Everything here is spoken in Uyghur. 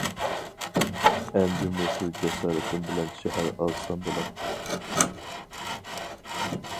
ئەمدى مۇشۇ جاسارىتىم بىلەن شەھەر ئالسام بولاتتى.